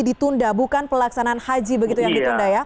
ditunda bukan pelaksanaan haji begitu yang ditunda ya